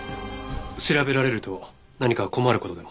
調べられると何か困る事でも？